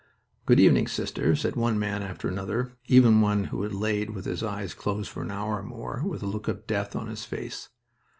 "Good evening, sister!" said one man after another, even one who had laid with his eyes closed for an hour or more, with a look of death on his face.